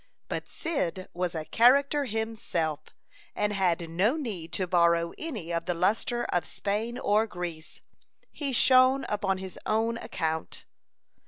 But Cyd was a character himself, and had no need to borrow any of the lustre of Spain or Greece. He shone upon his own account.